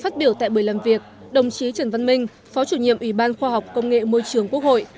phát biểu tại buổi làm việc đồng chí trần văn minh phó chủ nhiệm ủy ban khoa học công nghệ môi trường quốc hội